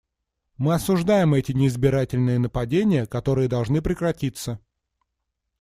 Мы осуждаем эти неизбирательные нападения, которые должны прекратиться.